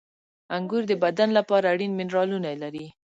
• انګور د بدن لپاره اړین منرالونه لري.